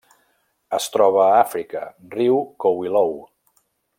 Es troba a Àfrica: riu Kouilou.